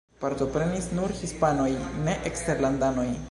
Partoprenis nur hispanoj, ne eksterlandanoj.